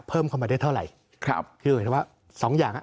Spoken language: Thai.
เพิ่มเข้ามาได้เท่าไหร่ครับคือหมายถึงว่าสองอย่างอ่ะ